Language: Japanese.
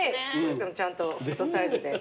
ちゃんとフォトサイズで。